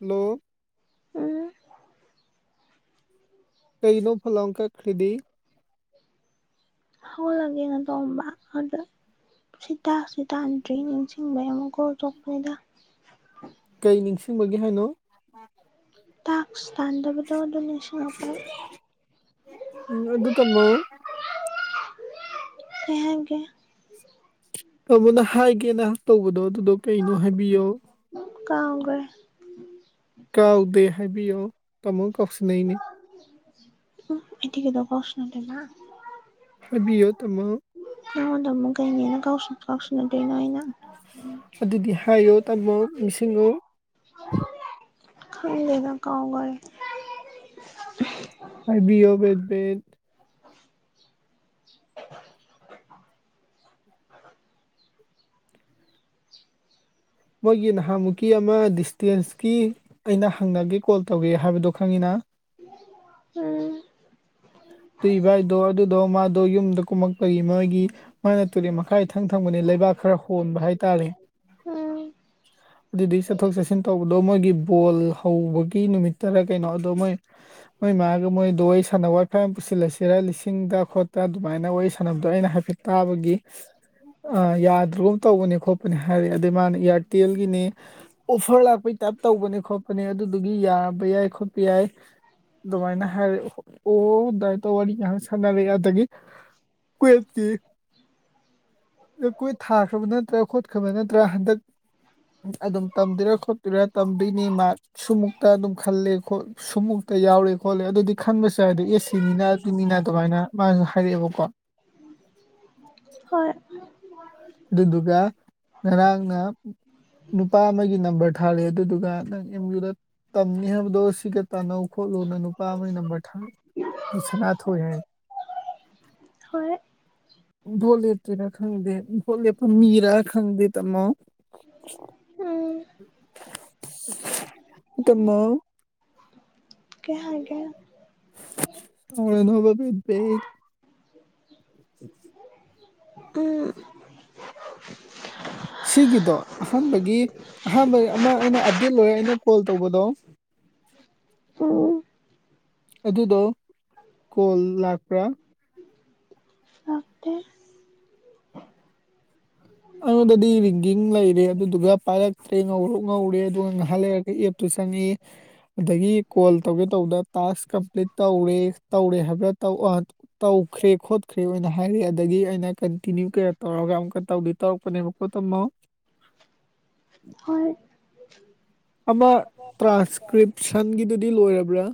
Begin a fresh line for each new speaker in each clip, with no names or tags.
ꯅꯣ
ꯎꯝ
ꯀꯩꯅꯣ ꯐꯂꯣꯡ ꯀꯛꯈ꯭ꯔꯤꯗꯤ
ꯍ ꯂꯒꯦꯅ ꯇꯣꯝꯕ ꯍꯗ ꯁꯤꯇꯥ ꯁꯤ ꯇꯥꯟꯗ꯭ꯔꯤ ꯅꯤꯡꯁꯤꯡꯕ ꯑꯃꯨꯛ ꯀꯧꯊꯣꯛꯄꯅꯤꯗ
ꯅꯤꯡꯤꯡꯕꯒꯤ ꯍꯥꯏꯅꯣ
ꯇ ꯁꯥꯟꯗꯕꯤꯗ ꯑꯗꯨ ꯅꯤꯡꯁꯤꯄꯥꯏ
ꯎꯝ ꯑꯗꯨ ꯇꯥꯃꯣ
ꯊꯍꯒꯤꯦ
ꯀꯥꯃꯣꯅ ꯍꯥꯏꯒꯦꯅ ꯇꯧꯕꯗꯣ ꯑꯗꯨꯗꯣ ꯀꯩꯅꯣ ꯍꯥꯏꯕꯤꯌꯣ
ꯀꯥꯎꯥꯎꯒ
ꯀꯥꯎꯗꯦ ꯍꯥꯏꯕꯤꯌꯣ ꯇꯃ ꯀꯧꯁꯤꯅꯥꯏꯅꯦ
ꯎꯝ ꯏ ꯊꯒꯗꯣ ꯀꯁꯅ ꯂꯩꯦꯅ
ꯍꯥꯏꯕꯤꯌꯣ ꯇꯃꯣ
ꯏ ꯍꯗ ꯑꯃꯨꯒꯥꯏꯅꯤꯅꯁꯤ ꯀꯥꯎꯁꯤꯅ ꯂꯩꯅꯉꯏꯅ
ꯑꯗꯨꯗꯤ ꯍꯥꯏꯌꯣ ꯇꯥꯃꯣ ꯃꯤꯁꯤꯡꯁꯤꯡꯉꯣ
ꯈꯪ ꯂꯩꯅ ꯀꯥꯎꯥꯎꯒꯔꯦ
ꯑꯕꯤ ꯑꯣꯕꯠꯕꯠ
[unintelligible] [inaudible]
ꯃꯣꯏꯒꯤ ꯅꯍꯥꯟꯃꯨꯛꯀꯤ ꯑꯃ ꯗꯤꯁꯇꯦꯟꯁꯀꯤ ꯑꯩꯅ ꯍꯪꯅꯒꯦ ꯀꯣꯜ ꯇꯧꯒꯦ ꯍꯥꯏꯕꯗꯣ ꯈꯪꯉꯤꯅ
ꯎꯝ
ꯇꯨꯏꯚꯥꯏ ꯗꯗ ꯗꯣ ꯃꯥꯗ ꯌꯨꯝꯗꯀ ꯃ ꯀꯔꯤ ꯃꯥꯣꯏꯒꯤ ꯃꯥꯅ ꯇꯨꯔꯦꯟ ꯃꯈꯥꯏ ꯏꯊꯪ ꯊꯪꯕꯅꯦ ꯂꯩꯕꯥꯛ ꯈꯔ ꯍꯣꯟꯕ ꯍꯥꯏꯇꯥꯔꯦ
ꯎꯝ
ꯑꯗꯨꯗꯒꯤ ꯆꯠꯊꯣꯛ ꯆꯠꯁꯤꯟ ꯇꯧꯕꯗꯣ ꯃꯣꯏꯒꯤ ꯕꯣꯜ ꯍꯧꯕꯒꯤ ꯅꯨꯃꯤꯠꯇꯔ ꯀꯩꯅꯣ ꯑꯗꯣ ꯃꯣꯏ ꯃꯣꯏ ꯃꯥꯒ ꯃꯣꯏꯗꯣ ꯋꯥꯔꯤ ꯁꯥꯟꯅꯕ ꯋꯥꯏ ꯐꯥꯏ ꯑꯃ ꯄꯨꯁꯤꯜꯂꯁꯤꯔ ꯂꯤꯁꯤꯡꯗ ꯈꯣꯠꯇ ꯑꯗꯨꯃꯥꯏꯅ ꯋꯥꯔꯤ ꯁꯥꯟꯅꯕꯗꯣ ꯑꯩꯅ ꯍꯥꯏꯐꯦꯠ ꯇꯥꯕꯒꯤ ꯌꯥꯗ꯭ꯔꯒꯨꯝ ꯇꯧꯕꯅꯤ ꯈꯣꯠꯄꯅꯤ ꯍꯥꯏꯔ ꯑꯗꯩ ꯃꯥꯅ ꯏꯌꯥꯔ ꯍꯣꯇꯦꯜꯒꯤꯅꯤ ꯑꯣꯐꯔ ꯂꯥꯛꯄꯩ ꯇꯥꯏꯞ ꯇꯧꯕꯅꯦ ꯈꯣꯠꯄꯅꯦ ꯑꯗꯨꯗꯨꯒꯤ ꯌꯥꯕ ꯌꯥꯏ ꯈꯣꯠꯄ ꯌꯥꯏ ꯑꯗꯨꯃꯥꯏꯅ ꯍꯥꯏꯔ ꯑꯣ ꯗꯥꯏꯇꯣ ꯋꯥꯔꯤ ꯑ ꯁꯥꯟꯅꯔ ꯑ ꯑꯗꯨꯗꯒꯤ ꯀꯨꯋꯠꯀꯤ ꯀꯨꯠ ꯊꯥꯈ꯭ꯔꯕ ꯅꯠꯇ꯭ꯔꯥ ꯈꯣꯠꯈ꯭ꯔꯕ ꯅꯠꯇ꯭ꯔꯥ ꯍꯟꯗꯛ ꯑꯗꯨꯝ ꯇꯝꯗꯦꯔꯥ ꯈꯣꯠꯇꯦꯔꯥ ꯇꯝꯗꯣꯏꯅꯤ ꯃꯥ ꯁꯃꯨꯛꯇ ꯑꯗꯨꯝ ꯈꯜꯂꯦ ꯁꯨꯝꯃꯨꯛꯇ ꯌꯥꯎꯔꯦ ꯈꯣꯠꯂꯦ ꯑꯗꯨꯗꯤ ꯈꯟꯁ ꯆꯗꯗꯤ ꯑꯦꯁꯤꯅꯤ ꯇꯃꯤ ꯑꯗꯨꯃꯥꯏꯅ ꯃꯥ ꯍꯥꯏꯥꯏꯕꯨ ꯀꯣꯟ
ꯍꯣꯏ
ꯑꯗꯨꯗꯨꯒ ꯉꯔꯥꯡꯅ ꯅꯨꯄꯥ ꯑꯃꯒꯤ ꯅꯝꯕꯔ ꯊꯥꯂ ꯑꯗꯨꯗꯨꯒ ꯅꯪ ꯑꯦꯝ ꯌꯨꯗ ꯇꯝꯅꯤ ꯍꯥꯏꯕꯗꯣ ꯁꯤꯒ ꯇꯅꯧ ꯈꯣꯠꯂꯨꯅ ꯅꯨꯄꯥ ꯑꯃꯒꯤ ꯅꯝꯕꯔ ꯑꯩꯈꯣꯏ ꯁꯅꯥꯊꯣꯏ ꯍꯥꯏ
ꯍꯣꯏ
ꯣꯂꯦ ꯇꯔ ꯈꯪꯗꯦ ꯍꯣꯜꯂꯤ ꯃꯤꯔ ꯈꯪꯗ ꯇꯃ
ꯎꯝ
ꯇꯃꯣ
ꯀꯍꯒꯦ
ꯁꯔꯅꯕ ꯄꯦꯠꯄꯦꯠ ꯎ
ꯎ
ꯁꯤꯒꯤꯗꯣ ꯑꯍꯥꯟꯕꯒꯤ ꯑꯍꯥꯟꯕ ꯑꯃ ꯑꯩꯅ ꯑꯞꯗꯦꯠ ꯂꯣꯏꯔꯦ ꯑꯩꯅ ꯀꯣꯜ ꯇꯧꯕꯗꯣ
ꯎꯝ
ꯑꯗꯨꯗꯣ ꯀꯣꯜ ꯂꯥꯛꯄ꯭ꯔꯥ
ꯅꯛꯇ
ꯑꯩꯉꯣꯟꯗꯗꯤ ꯔꯤꯡꯒꯤꯡ ꯂꯩꯔꯦ ꯑꯗꯨꯗꯨꯒ ꯄꯥꯏꯔꯛꯇ꯭ꯔꯦ ꯉꯧꯔ ꯉꯧꯔꯦ ꯑꯗꯨꯒ ꯉꯥꯏꯍꯥꯟ ꯂꯩꯔꯒ ꯑꯦꯞꯇꯨ ꯆꯪꯉꯛꯏ ꯑꯗꯒꯤ ꯀꯣꯜ ꯇꯧꯒꯦ ꯇꯧꯗ ꯇꯥꯛꯁ ꯀꯝꯄ꯭ꯂꯤꯠ ꯇꯧꯔꯦ ꯇꯧꯔꯦ ꯍꯥꯏꯕꯗ ꯇꯧꯈ꯭ꯔꯦ ꯈꯣꯠꯈ꯭ꯔꯦ ꯑꯣꯏꯅ ꯍꯥꯏꯔꯦ ꯑꯗꯒꯤ ꯑꯩꯅ ꯀꯟꯇꯤꯅ꯭ꯌꯨ ꯀꯌꯥ ꯇꯧꯔꯒ ꯑꯃꯨꯛꯀ ꯇꯧꯗꯦ ꯇꯧꯔꯛꯄꯅꯦꯕꯀꯣ ꯇꯝꯃꯣ
ꯍ
ꯑꯃ ꯇ꯭ꯔꯥꯟꯁꯀ꯭ꯔꯤꯞꯁꯟꯒꯤꯗꯨꯗꯤ ꯂꯣꯏꯔꯕ꯭ꯔꯥ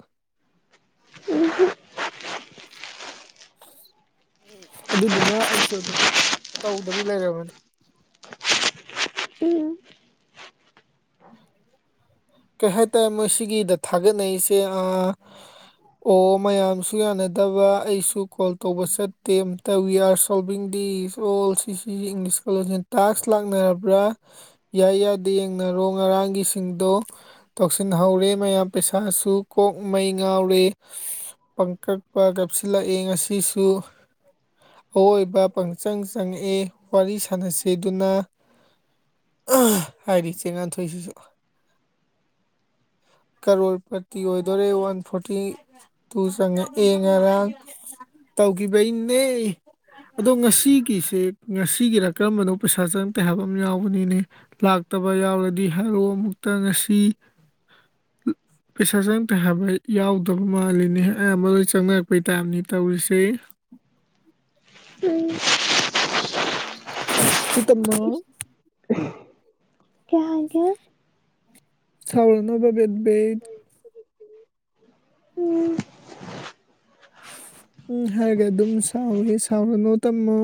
ꯎꯝ
ꯎ ꯑꯗꯨꯗꯨꯃ ꯑꯩꯁꯨ ꯑꯗꯨꯝ ꯇꯧꯗꯕꯤ ꯂꯩꯝꯔꯕꯅꯤ
ꯎ
ꯀꯩ ꯍꯥꯏꯇꯥꯔꯦ ꯃꯣꯏ ꯁꯤꯒꯤꯗ ꯊꯥꯒꯠꯅꯔꯤꯁꯦ ꯑꯣ ꯃꯌꯥꯝꯁꯨ ꯌꯥꯅꯗꯕ ꯑꯩꯁꯨ ꯀꯣꯜ ꯇꯧꯕ ꯆꯠꯇꯦ ꯑꯇ we are solving the all ꯁꯤ ꯏꯪꯂꯤꯁꯀ ꯇꯥꯛꯁ ꯂꯥꯛꯅꯔꯕ꯭ꯔꯥ ꯌꯥꯏ ꯌꯥꯗꯦ ꯌꯦꯡꯅꯔꯣ ꯉꯔꯥꯡꯒꯤꯁꯤꯡꯗꯣ ꯇꯧꯁꯤꯟꯍꯧꯔꯦ ꯃꯌꯥꯝ ꯄꯩꯁꯥꯁꯨ ꯀꯣꯛ ꯃꯩ ꯉꯥꯎꯔꯦ ꯄꯪꯀꯛꯄ ꯀꯥꯞꯁꯤꯜꯂꯛꯑꯦ ꯉꯁꯤꯁꯨ ꯑꯋꯣꯏꯕ ꯄꯪꯆꯪ ꯆꯪꯉꯛꯑꯦ ꯋꯥꯔꯤ ꯁꯥꯟꯅꯁꯤꯦꯗꯨꯅ ꯍꯥꯏꯔꯤꯆꯦ ꯃꯥꯥꯊꯣꯏꯁꯤꯁꯨ ꯀꯔꯣꯔ ꯄꯥꯔꯇꯤ ꯑꯣꯏꯗꯣꯔꯦ ꯋꯥꯟ ꯐꯣꯔꯇꯤ ꯇꯨ ꯆꯪꯉꯛꯑ ꯉꯔꯥꯡ ꯇꯧꯈꯤꯕꯩꯅꯦ ꯑꯗꯣ ꯉꯁꯤꯒꯤꯁꯦ ꯉꯁꯤꯒꯤꯔ ꯀꯔꯝꯕꯅꯣ ꯄꯩꯁꯥ ꯆꯪꯛꯇꯦ ꯍꯥꯏꯕ ꯑꯃ ꯌꯥꯎꯕꯅꯤꯅꯦ ꯂꯥꯛꯇꯕ ꯌꯥꯎꯔꯗꯤ ꯍꯥꯏꯔꯣ ꯑꯃꯨꯛꯇ ꯉꯁꯤ ꯄꯩꯁꯥꯖ ꯐ ꯍꯩ ꯌꯥꯎꯗꯕ ꯃꯥꯜꯂꯤꯅꯦ ꯑꯌꯥꯝꯕꯗ ꯆꯪꯉꯛꯄꯩ ꯇꯥꯥꯏꯞꯅꯤ ꯇꯧꯔꯤꯁꯦ
ꯎꯝ
ꯀ ꯇꯨꯝꯃꫭ
ꯀ꯭ꯌꯥ ꯑꯥꯒ꯭ꯌ
ꯁꯥꯎꯔꯅꯣꯕ ꯕꯦꯕꯦ
ꯎꯝ
ꯎꯝ ꯍꯥꯏꯒ‌‌ ꯑꯗꯨꯝ ꯁꯥꯎꯋꯦ ꯁꯥꯎꯔꯅꫭ ꯇꯝꯃꯣ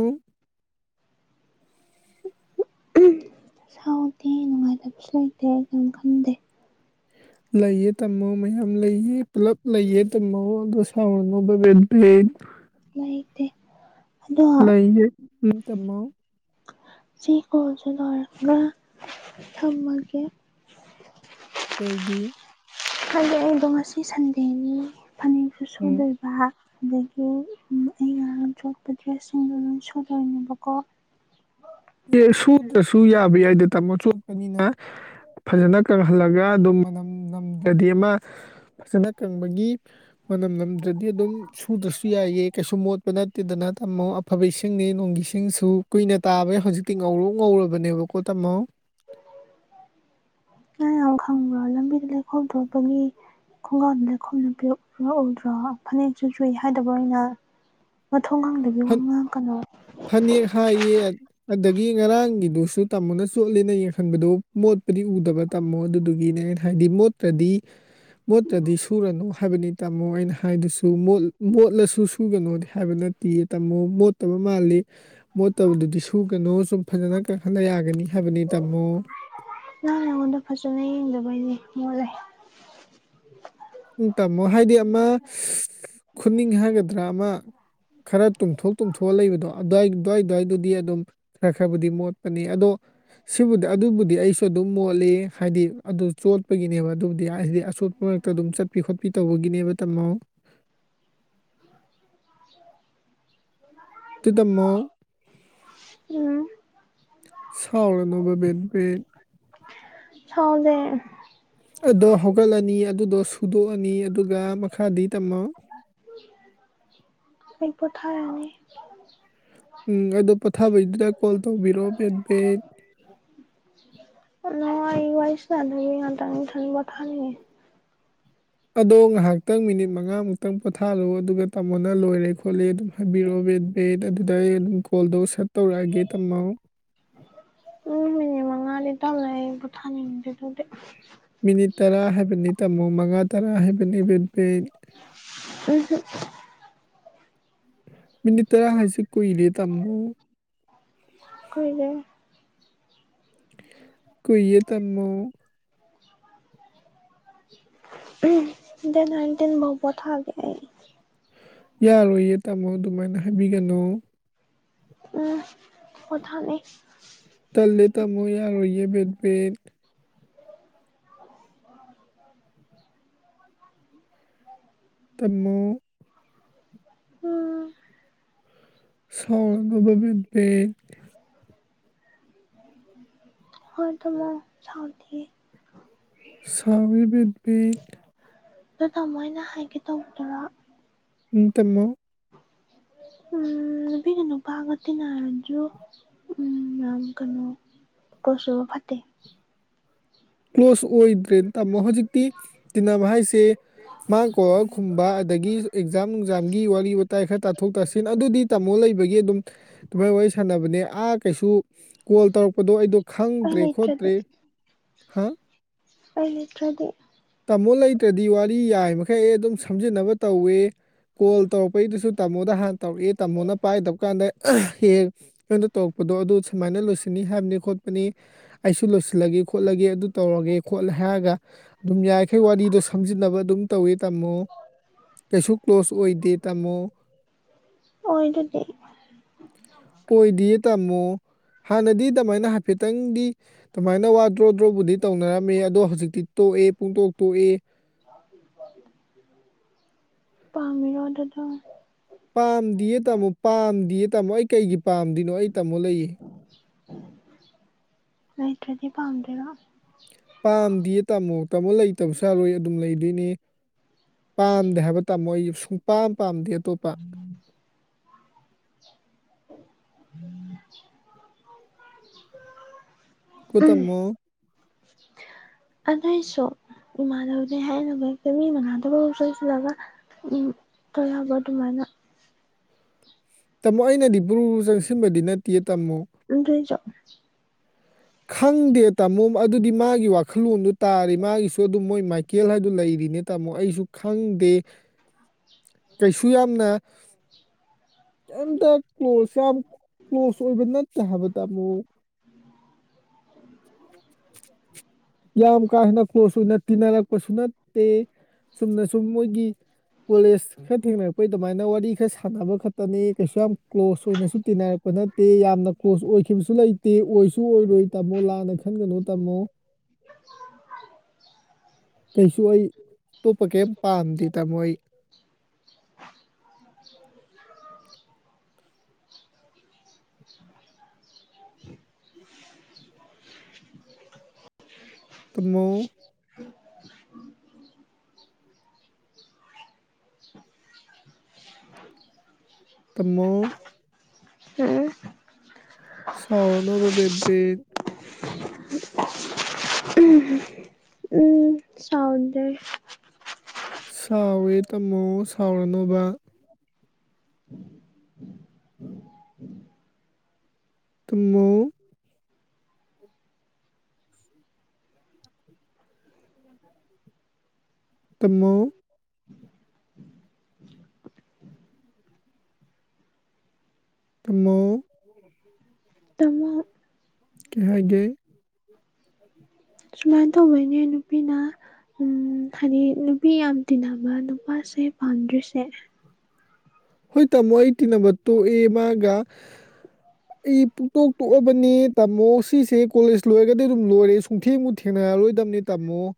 ꯁꯥꯎꯗꯦ ꯅꯨꯡꯉꯥꯏꯇꯕꯁꯨ ꯂꯩꯇꯦ ꯀꯩꯝ ꯈꯟꯗꯦ
ꯂꯩꯌꯦ ꯇꯝꯃꯣ ꯃꯌꯥꯝ ꯂꯩꯌꯦ ꯄꯨꯂꯞ ꯂꯩꯌꯦ ꯇꯝꯃꯣ ꯑꯗꯣ ꯁꯥꯎꯔꯅꫭꯕ ꯕꯦ ꯕꯦꯕ
ꯂꯩꯇꯦ ꯑꯗꯣ
ꯂꯩꯍꯦ ꯅꫭꯏ ꯇꯝꯃꫭ
ꯁꯤ ꯀꫭꯜꯁꯦ ꯂꫭꯏꯔꯒ ꯊꯝꯃꯒꯦ
ꯀꯩꯒꯤ
ꯈꯪꯗꯦ ꯑꯩꯗꯣ ꯉꯁꯤ ꯁꯟꯗꯦꯅꯤꯅ ꯐꯅꯦꯛꯁꯨ
ꯎꯝ
ꯁꯨꯗꫭꯏꯕꯥ ꯑꯗꯒꯤ ꯎꯝ ꯑꯩ ꯉꯍꯥꯟꯅ ꯆꯣꯠꯄ ꯗ꯭ꯔꯦꯁꯁꯤꯡꯗꯣ ꯂꯣꯏ ꯁꯨꯗꯣꯏꯅꯦꯕꯀꯣ
ꯑꯦ ꯁꯨꯗ꯭ꯔꯁꯨ ꯌꯥꯕ ꯌꯥꯏꯗ ꯇꯥꯃꯣ ꯆꯣꯠꯄꯅꯤꯅ ꯐꯖꯅ ꯀꯪꯍꯜꯂꯒ ꯑꯗꯨꯝ ꯅꯝꯗ꯭ꯔꯗꯤ ꯑꯃ ꯐꯖꯅ ꯀꯪꯕꯒꯤ ꯃꯅꯝ ꯅꯝꯗ꯭ꯔꯗꯤ ꯑꯗꯨꯝ ꯁꯨꯗ꯭ꯔꯁꯨ ꯌꯥꯏꯌꯦ ꯀꯩꯁꯨ ꯃꯣꯠꯄ ꯅꯠꯇꯦꯗꯅ ꯇꯝꯃꯣ ꯑꯐꯕ ꯏꯁꯤꯡꯅꯤ ꯅꯣꯡꯒꯤ ꯏꯁꯤꯡꯁꯨ ꯀꯨꯏꯅ ꯇꯥꯕꯩ ꯍꯧꯖꯤꯛꯇꯤ ꯉꯧꯔꯣꯛ ꯉꯧꯔꯕꯅꯦꯕꯀꯣ ꯇꯥꯝꯃꯣ
ꯅꯪ ꯌꯥꯝ ꯈꯪꯕ꯭ꯔꯣ ꯂꯝꯕꯤꯗ ꯂꯩꯈꯣꯝ ꯊꯣꯛꯄꯒꯤ ꯈꯨꯡꯒ꯭ꯔꯥꯎꯗ ꯂꯩꯈꯣꯝꯗ [unintelligible] ꯗ꯭ꯔꯣ ꯐꯅꯦꯛꯁꯨ ꯆꯨꯏ ꯍꯥꯏꯗꯕ꯭ꯔꫭ ꯑꯩꯅ
ꯐꯠ ꯐꯅꯦꯛ ꯍꯥꯏꯌꯦ ꯑꯗꯒꯤ ꯉꯔꯥꯡꯒꯤꯗꯨꯁꯨ ꯁꯨ ꯇꯥꯃꯣꯅ ꯆꯣꯠꯂꯦꯅ ꯌꯦꯡ ꯍꯟꯕꯗꯣ ꯃꯣꯠꯄꯗꯤ ꯎꯗꯕ ꯇꯝꯃꯣ ꯑꯗꯨꯗꯨꯒꯤꯅꯦ ꯑꯩꯅ ꯍꯥꯏꯗꯤ ꯃꯣꯠꯇ꯭ꯔꯗꯤ ꯃꯣꯠꯇ꯭ꯔꯗꯤ ꯁꯨꯔꯅꯨ ꯍꯥꯏꯕꯅꯤ ꯇꯥꯝꯃꯣ ꯑꯩꯅ ꯍꯥꯏꯗꯨꯁꯨ ꯃꯣꯠꯂꯁꯨ ꯁꯨꯒꯅꯣꯗꯤ ꯍꯥꯏꯕ ꯅꯠꯇꯤꯌꯦ ꯇꯥꯝꯃꫭ ꯃꯣꯠꯇꯕ ꯃꯥꯜꯂꯤ ꯃꯣꯠꯇꯕꯗꯨꯗꯤ ꯁꯨꯒꯅꯨ ꯁꯨꯝ ꯐꯖꯅ ꯀꯪꯍꯜꯂ ꯌꯥꯒꯅꯤ ꯍꯥꯏꯕꯅꯤ ꯇꯥꯝꯃꯣ
ꯕꯩꯅꯦ ꯃꫭꯠꯂꯦ
ꯎꯝ ꯇꯥꯝꯃꯣ ꯍꯥꯏꯗꯤ ꯑꯃ ꯈꯨꯅꯤꯡ ꯍꯥꯏꯒꯗ꯭ꯔꯥ ꯑꯃ ꯈꯔ ꯇꯨꯝꯊꯣꯛ ꯇꯨꯝꯊꯣꯛꯑ ꯂꯩꯕꯗꯣ ꯑꯗꯥꯏ ꯑꯗꯨꯋꯥꯏ ꯑꯗꯨꯋꯥꯏꯗꯨꯗꯤ ꯑꯗꯨꯝ ꯈꯔ ꯈꯔꯕꯨꯗꯤ ꯃꯣꯠꯄꯅꯤ ꯑꯗꯣ ꯁꯤꯕꯨꯗꯤ ꯑꯗꯨꯕꯨꯗꯤ ꯑꯩꯁꯨ ꯑꯗꯨꯝ ꯃꯣꯠꯂꯤ ꯍꯥꯏꯗꯤ ꯑꯗꯨ ꯆꯣꯠꯄꯒꯤꯅꯦꯕ ꯑꯗꯨꯕꯨꯗꯤ ꯑ ꯍꯥꯏꯗꯤ ꯑꯆꯣꯠꯄ ꯑꯗꯨꯝ ꯆꯠꯄꯤ ꯈꯣꯠꯄꯤ ꯇꯧꯕꯒꯤꯅꯦꯕ ꯇꯝꯃꯣ ꯇꯨ ꯗꯝꯃꯣ
ꯎꯝ
ꯁꯥꯎꯔ ꯅꯣꯕ ꯕꯦ ꯕꯦꯕ
ꯁꯥꯎꯗꯦ
ꯑꯗꯣ ꯍꯧꯒꯠꯂꯅꯤ ꯑꯗꯨꯗꯣ ꯁꯨꯗꯣꯛꯑꯅꯤ ꯑꯗꯨꯒ ꯃꯈꯥꯗꯤ ꯇꯝꯃꯣ
ꯑꯩ ꯄꫭꯊꯥꯔꯅꯤ
ꯎꯝ ꯑꯗꯣ ꯄꯣꯊꯥꯕꯩꯗꯨꯗ ꯀꯣꯜ ꯇꯧꯕꯤꯔꯑꯣ ꯕꯦ ꯕꯦ
ꯅꫭ ꯑꯩ ꯋꯥꯏ ꯁꯅꯥꯗꯕꯤ ꯉꯥꯇꯪ ꯏꯊꯟ ꯄꫭꯊꯥꯅꯤꯡꯉꯦ
ꯑꯗꯣ ꯉꯥꯏꯍꯥꯛꯇꯪ ꯃꯤꯅꯤꯠ ꯃꯉꯥꯃꯨꯛꯇꯪ ꯄꯣꯊꯥꯜꯂꫭ ꯑꯗꯨꯒ ꯇꯥꯃꯣꯅ ꯂꯣꯏꯔꯦ ꯈꯣ ꯂꯦ ꯑꯗꯨꯝ ꯍꯥꯏꯕꯤꯔꯑꫭ ꯕꯦꯠ ꯕꯦꯠ ꯗꯌꯦꯂꯨ ꯀꯣꯜꯗꯣ ꯁꯦꯠ ꯇꯧꯔꯛꯑꯒꯦ ꯇꯝꯃꯣ
ꯄꯨꯡ ꯃꯤꯅꯤꯠ ꯃꯉꯥꯗꯤ ꯇꯜꯂꯦ ꯑꯩ ꯄꫭꯊꯥꯅꯤꯡꯗꯦ ꯑꯗꯨꯗꯤ
ꯃꯤꯅꯤꯠ ꯇꯔꯥ ꯍꯥꯏꯕꯅꯦ ꯇꯥꯃꯣ ꯃꯉꯥ ꯇꯔꯥ ꯍꯥꯏꯕꯅꯦ ꯕꯦꯠ ꯕꯦꯠ
ꯑꯗꯨꯁꯨ
ꯃꯤꯅꯤꯠꯇꯔꯥ ꯍꯥꯏꯁꯦ ꯀꯨꯏꯔꯦ ꯇꯥꯃꯣ
ꯀꯨꯏꯔꯦ
ꯀꯨꯏꯔꯦ ꯇꯥꯃꯣ
ꯎ ꯗꯦꯠ ꯅꯥꯏꯟꯇꯤꯟꯕꯣꯛ ꯄꯣꯊꯥꯒꯦ
ꯌꯥꯔꯣꯏꯌꯦ ꯇꯥꯃꯣ ꯑꯗꯨꯃꯥꯏꯅ ꯍꯥꯏꯕꯤꯒꯅꯨ
ꯎꯝ ꯄꯣꯊꯥꯅꯤ
ꯄꯤꯠ ꯇꯥꯃꯣ
ꯎꯝ
ꯁꯥꯎꯔꯕꯣ ꯕꯦꯕꯤ
ꯍꯣꯏ ꯇꯥꯃꯣ ꯁꯥꯎꯗꯤꯌꯦ
ꯁꯥꯎꯔꯦ ꯕꯦꯕꯤ
ꯑꯗꯨ ꯇꯥꯃꯣ ꯑꯩꯅꯥ ꯍꯥꯏꯒꯦ ꯇꯧꯕꯗꯨꯔꯣ
ꯎꯝ ꯇꯥꯃꯣ
ꯎ ꯅꯨꯄꯤꯒ ꯅꯨꯄꯥꯒ ꯇꯤꯟꯅꯔꯖꯨ ꯌꯥꯝ ꯀꯩꯅꯣ ꯄꯣꯁꯨꯕ ꯐꯠꯇꯦ
ꯀ꯭ꯂꯣꯁ ꯑꯣꯏ ꯇ꯭ꯔꯦꯟ ꯇꯝꯃꯣ ꯍꯧꯖꯤꯛꯇꯤ ꯇꯤꯟꯅꯕ ꯍꯥꯏꯁꯦ ꯃꯥ ꯀꯣꯛꯑ ꯈꯨꯝꯕ ꯑꯗꯒꯤ ꯑꯦꯛꯖꯥꯝ ꯅꯨꯡꯖꯥꯝꯒꯤ ꯋꯥꯔꯤ ꯋꯥꯇꯥꯏ ꯈꯔ ꯇꯥꯊꯣꯛ ꯇꯥꯁꯤꯟ ꯑꯗꯨꯗꯤ ꯇꯝꯃꯣ ꯂꯩꯕꯒꯤ ꯑꯗꯨꯝ ꯑꯗꯨꯃꯥꯏꯅ ꯋꯥꯔꯤ ꯁꯥꯟꯅꯕꯅꯦ ꯑꯥ ꯀꯩꯁꯨ ꯀꯣꯜ ꯇꯧꯔꯛꯄꯗꯣ ꯑꯩꯗꯣ
ꯑꯩ
ꯈꯪꯗ꯭ꯔꯦ
ꯂꯩꯇ꯭ꯔꯗꯤ
ꯈꯣꯠꯇ꯭ꯔꯦ ꯍꯥꯥ
ꯑꯩ ꯂꯩꯇ꯭ꯔꯗꯤ
ꯇꯥꯃꯣ ꯂꯩꯇ꯭ꯔꯗꯤ ꯋꯥꯔꯤ ꯌꯥꯏꯃꯩ ꯑꯗꯨꯝ ꯁꯝꯖꯤꯟꯅꯕ ꯇꯧꯋꯦ ꯀꯣꯜ ꯇꯧꯔꯛꯄꯩꯗꯨꯁꯨ ꯇꯥꯃꯣꯗ ꯍꯥꯟꯅ ꯇꯧꯔꯛꯑꯦ ꯇꯥꯃꯣꯅ ꯄꯥꯏꯗꯕ ꯀꯥꯟꯗ ꯍꯦꯛ ꯀꯩꯅꯣꯗ ꯇꯧꯔꯛꯄꯗꯣ ꯑꯗꯨ ꯁꯨꯃꯥꯏꯅ ꯂꯣꯏꯁꯤꯟꯅꯤ ꯍꯥꯏꯕꯅꯤ ꯈꯣꯠꯄꯅꯤ ꯑꯩꯁꯨ ꯂꯣꯏꯁꯤꯜꯂꯒꯦ ꯈꯣꯠꯂꯒꯦ ꯑꯗꯨ ꯇꯧꯔꯒꯦ ꯈꯣꯠꯂꯦ ꯍꯥꯏꯔꯒ ꯑꯗꯨꯝ ꯌꯥꯏꯈꯩ ꯋꯥꯔꯤꯗꯣ ꯁꯝꯖꯤꯟꯅꯕ ꯑꯗꯨꯝ ꯇꯧꯋꯤ ꯇꯥꯝꯃꯣ ꯀꯩꯁꯨ ꯀ꯭ꯂꯣꯁ ꯑꯣꯏꯗꯦ ꯇꯥꯃꯣ
ꯑꯣꯏ ꯑꯗꯨꯗꯤ
ꯑꯣꯏꯗꯤꯌꯦ ꯇꯥꯃꯣ ꯍꯥꯟꯅꯗꯤ ꯑꯗꯨꯃꯥꯏꯅ ꯍꯥꯏꯐꯦꯠꯇꯪꯗꯤ ꯑꯗꯨꯃꯥꯏꯅ ꯋꯥ ꯗ꯭ꯔꯣ ꯗ꯭ꯔꯣꯕꯨꯗꯤ ꯇꯧꯅꯔꯝꯃꯦ ꯑꯗꯣ ꯍꯧꯖꯤꯛꯇꯤ ꯇꯣꯛꯑꯦ ꯄꯨꯡꯇꯣꯛ ꯇꯣꯛꯑꯦ
ꯄꯥꯝꯃꯤꯔꯣ ꯑꯗꯨꯗꯣ
ꯄꯥꯝꯗꯤꯌꯦ ꯇꯥꯃꯣ ꯄꯥꯝꯗꯤꯌꯦ ꯇꯥꯃꯣ ꯑꯩ ꯀꯩꯒꯤ ꯄꯥꯝꯗꯅꯣ ꯑꯩ ꯇꯥꯝꯃꯣ ꯂꯩꯌꯦ
ꯂꯩꯇ꯭ꯔꯥꯗꯤ ꯄꯥꯝꯗꯣꯏꯔꯣ
ꯄꯥꯝ ꯗꯤꯌꯦ ꯇꯥꯃꯣ ꯇꯥꯃꯣ ꯂꯩꯇꯕꯁꯨ ꯌꯥꯔꯣꯏ ꯑꯗꯨꯝ ꯂꯩꯗꯣꯏꯅꯦ ꯄꯥꯝꯗꯦ ꯍꯥꯏꯕ ꯇꯥꯃꯣ ꯑꯩ ꯁꯨꯛ ꯄꯥꯝ ꯄꯥꯝꯗꯦ ꯑꯇꯣꯞꯄ
[inaudible] [inaudible]
ꯀꯣ
ꯎꯝ
ꯇꯥꯃꯣ
ꯑꯗꯨꯏꯁꯨ ꯏꯃꯥꯟꯅꯕꯗꯤ ꯍꯥꯏꯅꯒ ꯃꯤ ꯃꯥꯟꯅꯗꯕꯕꯨꯥꯎ ꯁꯣꯏꯁꯤꯜꯂꯒ ꯇꯔꯕ ꯑꯗꯨꯃꯥꯏꯅ
ꯇꯥꯃꯣ ꯑꯩꯅꯗꯤ ꯕ꯭ꯔꯨ ꯆꯪꯁꯤꯟꯕꯗꯤ ꯅꯠꯇꯦ
ꯑꯗꯨꯏꯖꯨ
ꯈꯪꯗꯦ ꯇꯥꯃꯣ ꯑꯗꯨꯗꯤ ꯃꯥꯒꯤ ꯋꯥꯈꯜꯂꯣꯟꯗ ꯇꯥꯔꯤ ꯃꯥꯒꯤꯁꯨ ꯑꯗꯨꯝ ꯃꯣꯏ ꯃꯥꯏꯀꯦꯜ ꯍꯥꯏꯗꯨ ꯂꯩꯔꯤꯅꯦ ꯇꯥꯃꯣ ꯑꯩꯁꯨ ꯈꯪꯗꯦ ꯀꯩꯁꯨ ꯌꯥꯝꯅ ꯀꯩꯝꯇ ꯀ꯭ꯂꯣꯁ ꯌꯥꯝ ꯀ꯭ꯂꯣꯁ ꯑꯣꯏꯕ ꯅꯠꯇꯦ ꯍꯥꯏꯕ ꯇꯥꯃꯣ꯫ ꯌꯥꯝ ꯀꯥ ꯍꯦꯟꯅ ꯀ꯭ꯂꯣꯁ ꯑꯣꯏꯅ ꯇꯤꯟꯅꯔꯛꯄꯁꯨ ꯅꯠꯇꯦ ꯆꯨꯝꯅ ꯁꯨꯝ ꯃꯣꯏꯒꯤ ꯀꯣꯂꯦꯖ ꯈꯔ ꯊꯦꯡꯅꯔꯛꯄꯩ ꯑꯗꯨꯃꯥꯏꯅ ꯋꯥꯔꯤ ꯈꯔ ꯁꯥꯟꯅꯕ ꯈꯛꯇꯅꯦ ꯀꯩꯁꯨ ꯌꯥꯝ ꯀ꯭ꯂꯣꯖ ꯑꯣꯏꯅꯁꯨ ꯇꯤꯟꯅꯔꯛꯄ ꯅꯠꯇꯦ ꯌꯥꯝꯅ ꯀ꯭ꯂꯣꯖ ꯑꯣꯏꯈꯤꯕꯁꯨ ꯂꯩꯇꯦ ꯑꯣꯏ ꯁꯨ ꯑꯣꯏꯔꯣꯏ ꯇꯥꯃꯣ ꯂꯥꯟꯅ ꯈꯟꯒꯅꯨ ꯇꯥꯃꯣ ꯀꯩꯁꯨ ꯑꯩ ꯑꯇꯣꯞꯄ ꯀꯩꯝ ꯄꯥꯝꯗꯦ ꯇꯥꯃꯣ ꯑꯩ ꯇꯥꯃꯣ ꯇꯥꯃꯣ
ꯎꯝ
ꯁꯥꯎꯔꯅꯣꯕ ꯕꯦꯕꯤ
ꯎꯝ ꯎꯝ ꯁꯧꯗꯦ
ꯁꯥꯎꯔꯦ ꯇꯝꯃꯣ ꯁꯥꯎꯔꯅꯣꯕ ꯇꯥꯃꯣ ꯇꯥꯃꯣ ꯇꯥꯃꯣ
ꯇꯥꯃꯣ
ꯀꯩ ꯍꯥꯏꯒꯦ
ꯁꯨꯃꯥꯏꯅ ꯇꯧꯕꯩꯅꯦ ꯅꯨꯄꯤꯅ ꯎꯝ ꯍꯥꯏꯗꯤ ꯅꯨꯄꯤ ꯌꯥꯝ ꯇꯤꯟꯅꯕ ꯅꯨꯄꯥꯁꯦ ꯄꯥꯝꯗ꯭ꯔꯤꯁꯦ
ꯍꯣꯏ ꯇꯥꯃꯣ ꯑꯩ ꯇꯤꯟꯅꯕ ꯇꯣꯛꯑꯦ ꯃꯥꯒ ꯑꯩ ꯄꯨꯛꯇꯣꯛ ꯇꯣꯛꯑꯕꯅꯤ ꯇꯥꯃꯣ ꯁꯤꯁꯦ ꯀꯣꯂꯦꯖ ꯂꯣꯏꯔꯒꯗꯤ ꯑꯗꯨꯝ ꯂꯣꯏꯔꯦ ꯁꯨꯡꯊꯦꯡꯃꯨꯛ ꯊꯦꯡꯅꯔꯔꯣꯏꯗꯕꯅꯤ ꯇꯥꯃꯣ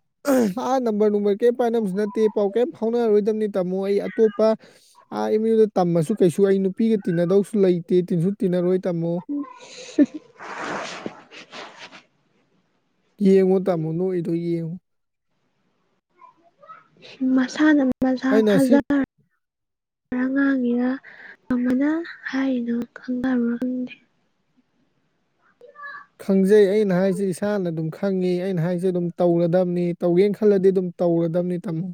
ꯑꯥ ꯅꯝꯕꯔ ꯅꯨꯡꯕꯔ ꯀꯔꯤꯝ ꯄꯥꯏꯅꯕꯁꯨ ꯅꯠꯇꯦ ꯄꯥꯎ ꯀꯔꯤꯝ ꯐꯥꯎꯅꯔꯔꯣꯏꯗꯕꯅꯤ ꯇꯥꯃꯣ ꯑꯩ ꯑꯇꯣꯞꯄ ꯅꯣꯏꯅ ꯇꯝꯃꯁꯨ ꯀꯩꯁꯨ ꯑꯩ ꯅꯨꯄꯤꯒ ꯇꯤꯟꯅꯗꯧꯁꯨ ꯂꯩꯇꯦ ꯇꯤꯟꯁꯨ ꯇꯤꯟꯅꯔꯣꯏ ꯇꯥꯃꯣ ꯌꯦꯡꯉꯣ ꯇꯥꯃꯣ ꯅꯣꯏꯗꯨ ꯌꯦꯡꯉꯨ
ꯎꯝ ꯃꯁꯥꯟꯅ ꯃꯁꯥ
ꯑꯩꯅ ꯁꯤ
ꯍꯖꯔ ꯑꯉꯥꯡꯅꯦꯅ ꯀꯃꯥꯏꯅ ꯍꯥꯏꯔꯤꯅꯣ ꯈꯪꯅꯕꯔ ꯈꯪꯗꯦ
ꯈꯪꯖꯩ ꯑꯩꯅ ꯍꯥꯏꯁꯦ ꯏꯁꯥꯅ ꯑꯗꯨꯝ ꯈꯪꯉꯤ ꯑꯩꯅ ꯍꯥꯏꯁꯦ ꯑꯗꯨꯝ ꯇꯧꯔꯗꯕꯅꯤ ꯇꯧꯒꯦꯅ ꯈꯜꯂꯗꯤ ꯑꯗꯨꯝ ꯇꯧꯔꯗꯕꯅꯤ ꯇꯥꯃꯣ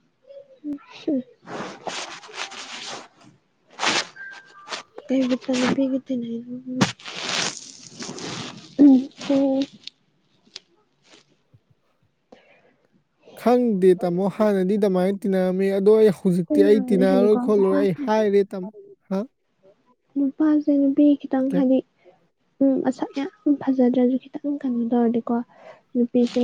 [inaudible]
ꯈꯪꯗꯦ ꯇꯥꯃꯣ ꯍꯥꯟꯅꯗꯤ ꯑꯗꯨꯃꯥꯏꯅ ꯇꯤꯟꯅꯔꯝꯃꯤ ꯑꯗꯣ ꯑꯩ ꯍꯧꯖꯤꯛꯇꯤ ꯑꯩ
ꯍꯥꯏꯕꯅꯦ
ꯇꯤꯟꯅꯔꯔꯣꯏ
ꯍꯥꯏꯗꯤꯀꯣ
ꯈꯣꯠꯂꯔꯣꯏ ꯑꯩ
ꯅꯨꯄꯥꯁꯦ
ꯍꯥꯏꯔꯦ ꯇꯥꯃꯣ ꯍꯥ
ꯅꯨꯄꯥꯖ ꯃꯤ ꯈꯤꯇꯪ
ꯀꯦ
ꯍꯥꯏꯗꯤ ꯎꯝ ꯑꯁꯛ ꯌꯥꯝ ꯐꯖꯗ꯭ꯔꯗꯤ ꯈꯤꯇꯪ ꯀꯩꯅꯣ ꯇꯧꯔꯗꯤꯀꯣ ꯅꯨꯄꯤꯁꯦ